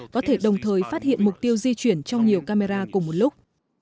có thể đồng thời phát hiện mục tiêu di chuyển trong nhiều camera cùng một lúc